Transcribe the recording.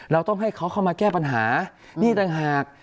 เราต้องให้เขาเข้ามาแก้ปัญหานี่ต่างหาก